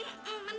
udah malah nyanyi